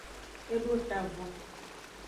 E do etavwen.